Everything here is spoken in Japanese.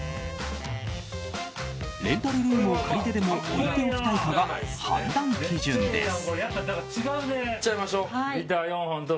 レンタルルームを借りてでも置いておきたいかが判断基準です。